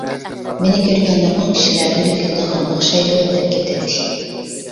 مېنى كۆرگەن نۇرغۇن كىشىلەر ئۆلۈپ كېتىدىغان ئوخشايدۇ دەپ كېتەتتى.